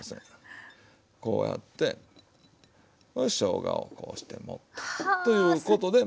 こうやってしょうがをこうして盛るということで。